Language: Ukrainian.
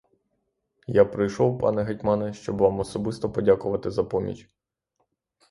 Я прийшов, пане гетьмане, щоб вам особисто подякувати за поміч.